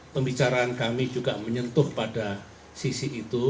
pembicaraan kami juga menyentuh pada sisi itu